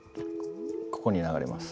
ここに流れます。